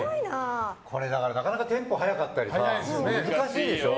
なかなかテンポ速かったり難しいでしょ。